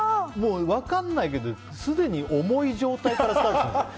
分からないけどすでに重い状態からスタートするんですよ。